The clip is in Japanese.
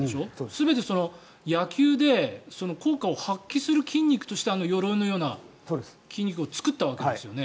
全て野球で効果を発揮する筋肉としてよろいのような筋肉を作ったわけですよね。